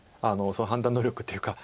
その判断能力っていうか。